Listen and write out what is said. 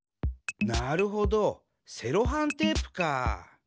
なるほどセロハンテープかあ。